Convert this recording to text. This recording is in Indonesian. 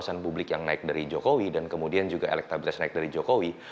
kesan publik yang naik dari jokowi dan kemudian juga elektabilitas naik dari jokowi